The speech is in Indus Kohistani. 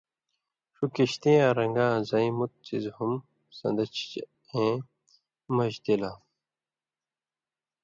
ݜُو کِشتیاں رن٘گاں زَیں مُت څیزہۡ ہُم سان٘دیۡ چے اېں مژ تِلاں۔